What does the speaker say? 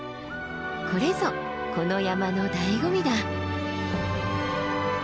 これぞこの山のだいご味だ。